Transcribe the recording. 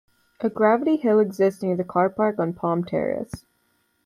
A gravity hill exists near the carpark on Palm Terrace.